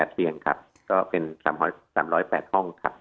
เพียงครับก็เป็น๓๐๘ห้องครับ